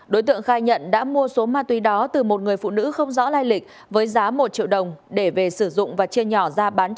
đối tượng khai nhận đã mua số ma túy đó từ một người phụ nữ không rõ lai lịch với giá một triệu đồng để về sử dụng và chia nhỏ ra bán cho người